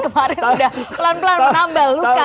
kemarin sudah pelan pelan menambah luka